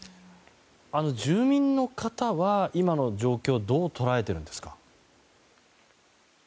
住民の方は今の状況どう捉えているんですか。